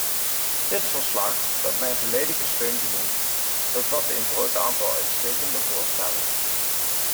Dit verslag, dat mijn volledige steun geniet, bevat een groot aantal uitstekende voorstellen.